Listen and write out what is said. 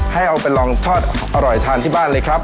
ให้เอาไปลองทอดอร่อยทานที่บ้านเลยครับ